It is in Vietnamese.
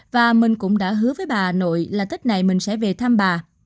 và mình cũng đã hứa với bà nội là tết này mình sẽ về thăm bà